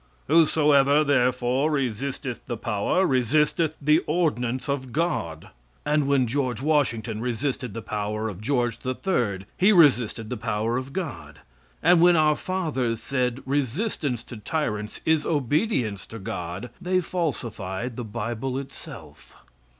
"Whosoever therefore resisteth the power, resisteth the ordinance of God." And when George Washington resisted the power of George the Third he resisted the power of God. And when our fathers said, "Resistance to tyrants is obedience to God," they falsified the bible itself.